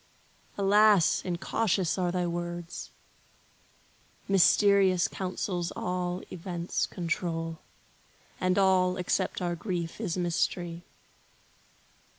Alas, incautious are thy words! Mysterious counsels all events control, And all, except our grief, is mystery.